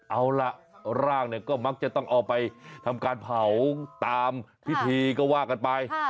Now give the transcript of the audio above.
เอาล่ะร่างเนี่ยก็มักจะต้องเอาไปทำการเผาตามพิธีก็ว่ากันไป